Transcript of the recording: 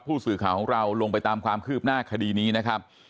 ผู้สื่อข่าวของเราลงไปตามความคืบหน้าคดีนี้นะครับ